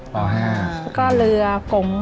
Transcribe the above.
ป๕แล้วก็เรือกง